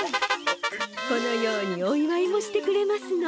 このようにおいわいもしてくれますの。